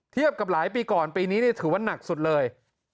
เทียบกับหลายปีก่อนปีนี้ถือว่านักสุดเลย